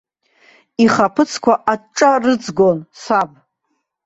Ихаԥыцқәа аҿҿа рыҵгон саб.